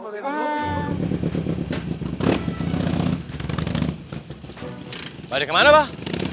bapak dikemana mbah